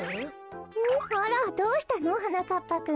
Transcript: あらっどうしたの？はなかっぱくん。